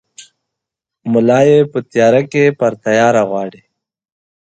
ملا ېې په تیاره کې پر تیاره غواړي!